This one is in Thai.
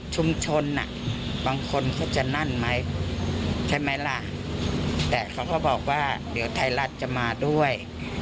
บางคนเขาจะนั่นไหมใช่ไหมล่ะแต่เขาก็บอกว่าเดี๋ยวไทยรัฐจะมาด้วย